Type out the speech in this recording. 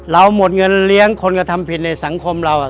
หมดเงินเลี้ยงคนกระทำผิดในสังคมเรา